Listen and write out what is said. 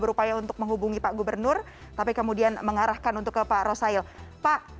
berupaya untuk menghubungi pak gubernur tapi kemudian mengarahkan untuk ke pak rosail pak